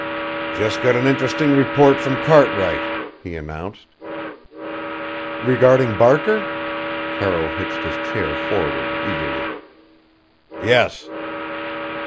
"Just got an interesting report from Cartwright," he announced. "Regarding Barker?" Carroll hitched his chair forward eagerly. "Yes."